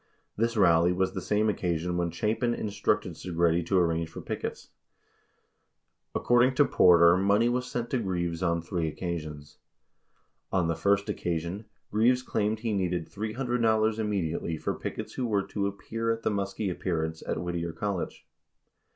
This rally was the same occasion when Chapin instructed Segretti to arrange for pickets. 47 According to Porter, money was sent to Greaves on three occasions. 48 On the first occasion, Greaves claimed he needed $300 immediately for pickets who were to appear at the Muskie appearance at Whittier Col lege.